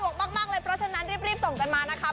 วกมากเลยเพราะฉะนั้นรีบส่งกันมานะคะ